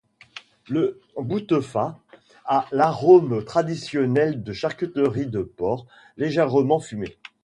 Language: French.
Le boutefas a l'arôme traditionnel de charcuterie de porc, légèrement fumé.